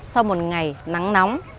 sau một ngày nắng nóng